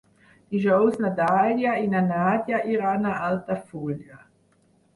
Dijous na Dàlia i na Nàdia iran a Altafulla.